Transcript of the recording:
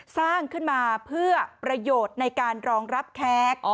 สร้างขึ้นมาเพื่อประโยชน์ในการรองรับแคก